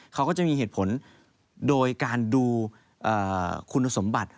เขาก็จะมีเหตุผลโดยการดูคุณสมบัติ